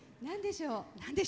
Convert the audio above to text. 何でしょう。